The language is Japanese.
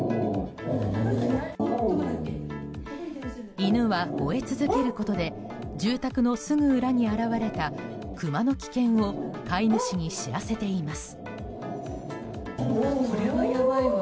犬は、ほえ続けることで住宅のすぐ裏に現れたクマの危険を飼い主に知らせています。